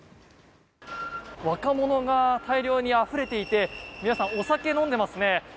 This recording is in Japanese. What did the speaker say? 若者が大量にあふれていて皆さん、お酒を飲んでいますね。